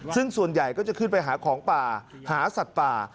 ซึ่งส่วนใหญ่ก็จะขึ้นไปหาของป่าหาสัตว์ป่า